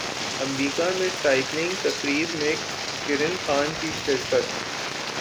امریکہ میں سائیکلنگ تقریب میں کرن خان کی شرکت